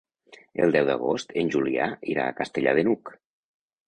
El deu d'agost en Julià irà a Castellar de n'Hug.